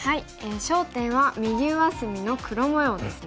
焦点は右上隅の黒模様ですね。